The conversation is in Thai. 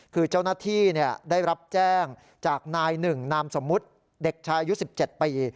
คือเจ้าหน้าที่ได้รับแจ้งจากนายหนึ่งนามสมมุติเด็กชายอายุ๑๗ปี